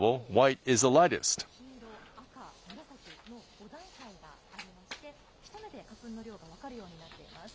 ５段階がありまして一目で花粉の量が分かるようになっています。